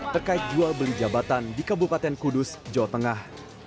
terkait jual beli jabatan di kabupaten kudus jawa tengah